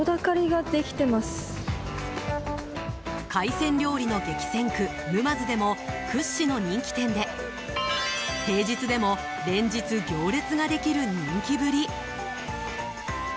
海鮮料理の激戦区・沼津でも屈指の人気店で平日でも連日行列ができる人気ぶり。